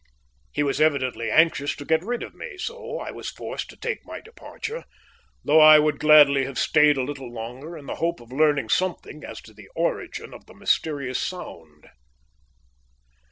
He was evidently anxious to get rid of me, so I was forced to take my departure, though I would gladly have stayed a little longer, in the hope of learning something as to the origin of the mysterious sound.